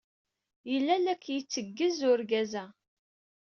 Yella la k-yetteggez urgaz-a?